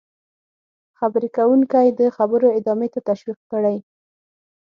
-خبرې کوونکی د خبرو ادامې ته تشویق کړئ: